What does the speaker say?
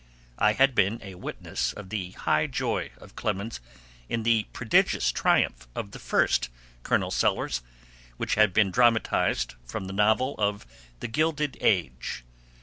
I had been a witness of the high joy of Clemens in the prodigious triumph of the first Colonel Sellers, which had been dramatized from the novel of 'The Gilded Age.'